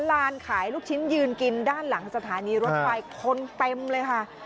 ร้านขายลูกชิ้นยืนกินด้านหลังสถานีรถไฟคนเต็มเลยค่ะ